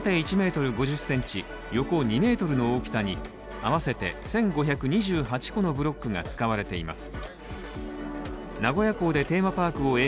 縦１ｍ５０ｃｍ、横２ｍの大きさに合わせて１５２８個のブロックが使われています。